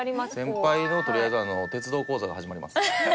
先輩のとりあえず鉄道講座が始まります。